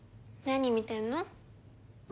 何見てるの？